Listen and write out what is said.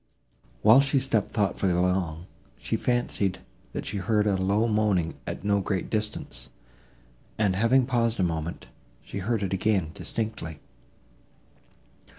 While she stepped thoughtfully along, she fancied, that she heard a low moaning at no great distance, and, having paused a moment, she heard it again and distinctly.